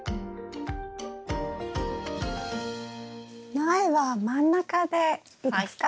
苗は真ん中でいいですか？